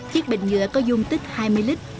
chiếc bình nhựa có dung tích hai mươi lít